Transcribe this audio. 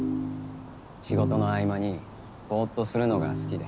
仕事の合間にぼっとするのが好きで。